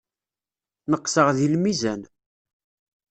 Neqseɣ deg lmizan.